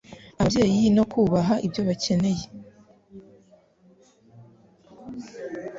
ababyeyi no kubaha ibyo bakeneye.